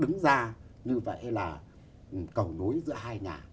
đứng ra như vậy là cầu nối giữa hai nhà